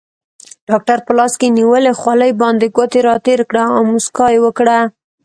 ډاکټر په لاس کې نیولې خولۍ باندې ګوتې راتېرې کړې او موسکا یې وکړه.